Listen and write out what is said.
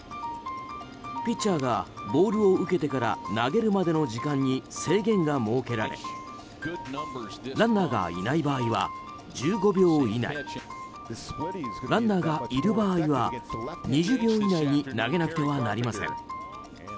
ピッチャーがボールを受けてから投げるまでの時間に制限が設けられランナーがいない場合は１５秒以内ランナーがいる場合は２０秒以内に投げなくてはなりません。